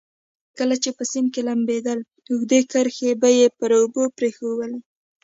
کله چې په سیند کې لمبېدل اوږدې کرښې به یې پر اوبو پرېښوولې.